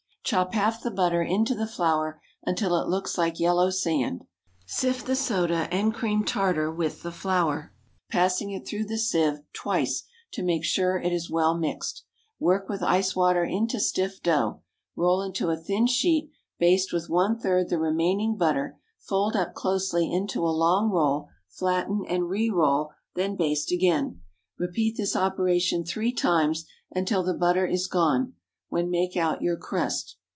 Chop half the butter into the flour until it looks like yellow sand (sift the soda and cream tartar with the flour, passing it through the sieve twice to make sure it is well mixed); work with ice water into stiff dough; roll into a thin sheet, baste with one third the remaining butter, fold up closely into a long roll, flatten and re roll, then baste again. Repeat this operation three times, until the butter is gone, when make out your crust.